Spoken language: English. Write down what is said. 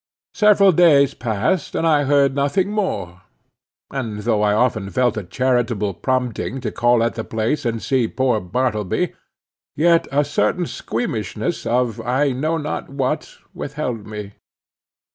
Several days passed, and I heard nothing more; and though I often felt a charitable prompting to call at the place and see poor Bartleby, yet a certain squeamishness of I know not what withheld me.